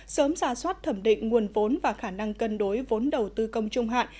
sớm ra soát thẩm định nguồn vốn và khả năng cân đối vốn đầu tư công trung hạn